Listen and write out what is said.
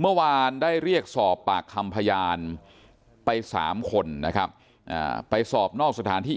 เมื่อวานได้เรียกสอบปากคำพยานไป๓คนนะครับไปสอบนอกสถานที่